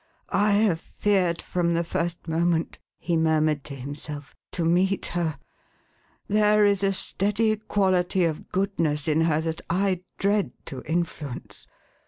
"I have feared, from the first moment,"" he murmured to himself, "to meet her. There is a steady quality of goodness in her, that I dread to influence.